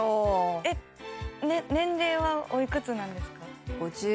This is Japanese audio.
えっ年齢はおいくつなんですか？